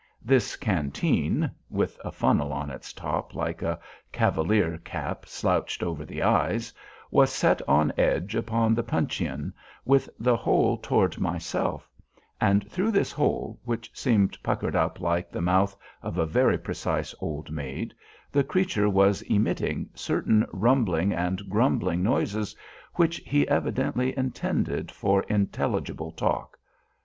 This canteen (with a funnel on its top like a cavalier cap slouched over the eyes) was set on edge upon the puncheon, with the hole toward myself; and through this hole, which seemed puckered up like the mouth of a very precise old maid, the creature was emitting certain rumbling and grumbling noises which he evidently intended for intelligible talk.